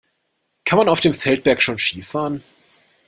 Kann man auf dem Feldberg schon Ski fahren?